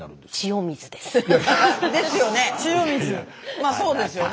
まあそうですよね。